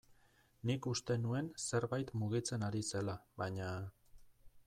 Nik uste nuen zerbait mugitzen ari zela, baina...